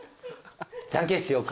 じゃんけんしようか。